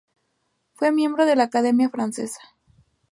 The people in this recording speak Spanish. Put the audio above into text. Fue miembro de la Academia Francesa.